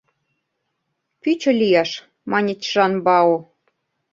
— Пӱчӧ лӱяш, — мане Чжан-Бао.